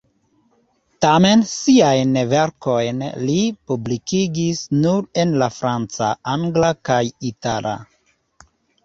Tamen siajn verkojn li publikigis nur en la franca, angla kaj itala.